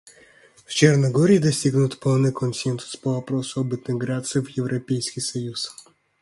В Черногории достигнут полный консенсус по вопросу об интеграции в Европейский союз.